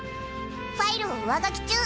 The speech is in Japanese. ファイルを上書き中。